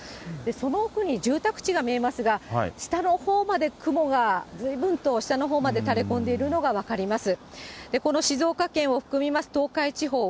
その奥に住宅地が見えますが、下のほうまで雲がずいぶんと下のほうまで垂れこんでいるのが分かります。